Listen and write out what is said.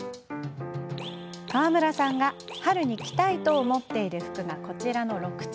川村さんが、春に着たいと思っている服がこちらの６着。